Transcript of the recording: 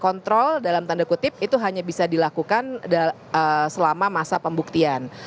kontrol dalam tanda kutip itu hanya bisa dilakukan selama masa pembuktian